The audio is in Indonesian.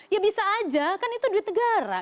ya bisa aja kan itu duit negara